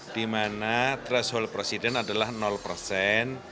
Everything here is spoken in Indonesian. di mana threshold presiden adalah persen